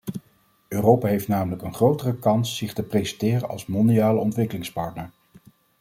Europa heeft namelijk een grote kans zich te presenteren als mondiale ontwikkelingspartner.